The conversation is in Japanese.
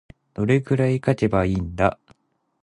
どれくらい書けばいいんだ。